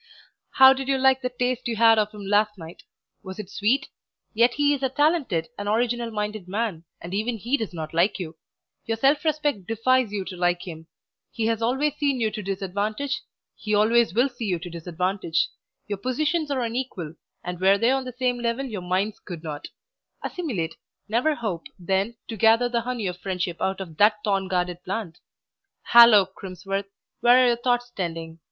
how did you like the taste you had of him last night? was it sweet? Yet he is a talented, an original minded man, and even he does not like you; your self respect defies you to like him; he has always seen you to disadvantage; he always will see you to disadvantage; your positions are unequal, and were they on the same level your minds could not assimilate; never hope, then, to gather the honey of friendship out of that thorn guarded plant. Hello, Crimsworth! where are your thoughts tending?